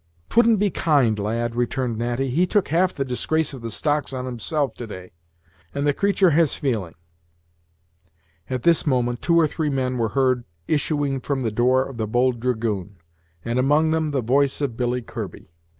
"'Twouldn't be kind, lad," returned Natty; "he took half the disgrace of the stocks on himself to day, and the creatur' has feeling." At this moment two or three men were heard issuing from the door of the "Bold Dragoon," and among them the voice of Billy Kirby.